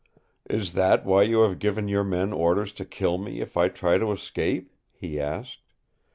"Is that why you have given your men orders to kill me if I try to escape?" he asked.